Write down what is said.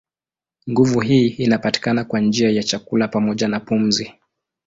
Nguvu hii inapatikana kwa njia ya chakula pamoja na pumzi.